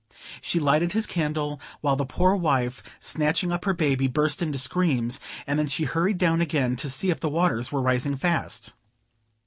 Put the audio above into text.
She lighted his candle, while the poor wife, snatching up her baby, burst into screams; and then she hurried down again to see if the waters were rising fast.